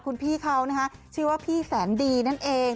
คุณพี่เขานะคะชื่อว่าพี่แสนดีนั่นเอง